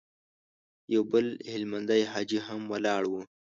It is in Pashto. يو بل هلمندی حاجي هم ولاړ و.